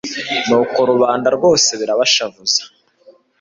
nuko rubanda rwose birabashavuza